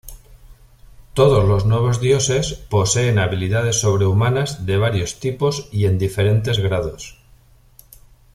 Todos los Nuevos Dioses poseen habilidades sobrehumanas de varios tipos y en diferentes grados.